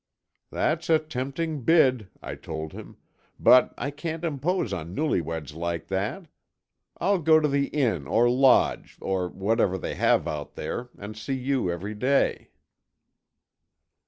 "That's a tempting bid," I told him, "but I can't impose on newlyweds like that. I'll go to the inn or lodge or whatever they have out there, and see you every day."